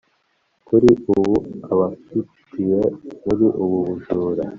Kuri ubu abafatiwe muri ubu bujura